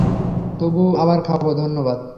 তবুও আবার খাবো, ধন্যবাদ।